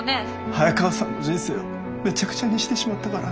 早川さんの人生をめちゃくちゃにしてしまったから。